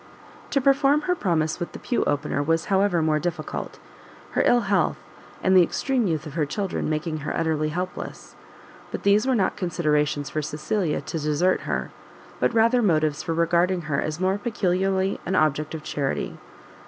To perform her promise with the Pew Opener was however more difficult; her ill health, and the extreme youth of her children making her utterly helpless: but these were not considerations for Cecilia to desert her, but rather motives for regarding her as more peculiarly an object of charity.